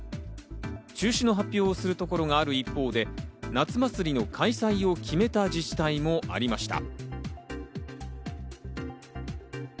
中止の発表をするところがある一方で、夏祭りの開催を決めた自治体もありました。